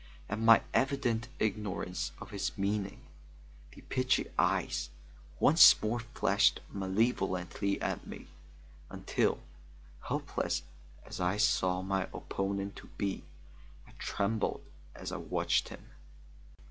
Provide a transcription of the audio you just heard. At my evident ignorance of his meaning, the pitchy eyes once more flashed malevolently at me, until, helpless as I saw my opponent to be, I trembled as I watched him.